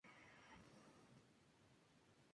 Administrativamente, pertenece a la comuna de Marsella.